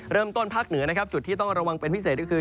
ภาคเหนือนะครับจุดที่ต้องระวังเป็นพิเศษก็คือ